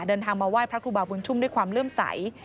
เดินทางมาไหว้พระครูบาบุญชุ่มด้วยความเลื่อมใส